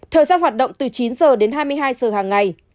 thời gian hoạt động từ chín giờ đến hai mươi hai giờ hàng ngày